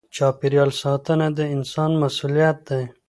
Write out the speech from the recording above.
چاپېریال ساتنه د انسان مسؤلیت دی.